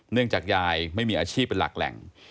เนื่องจากยายไม่มีอาชีพเป็นหลักแหล่ง